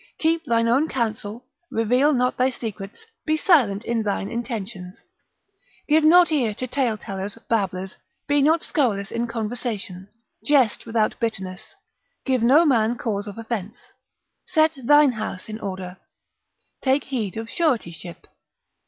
Keep thine own counsel, reveal not thy secrets, be silent in thine intentions. Give not ear to tale tellers, babblers, be not scurrilous in conversation: jest without bitterness: give no man cause of offence: set thine house in order: take heed of suretyship.